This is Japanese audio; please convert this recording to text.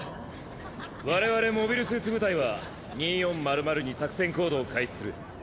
我々モビルスーツ部隊は２４００に作戦行動を開始する。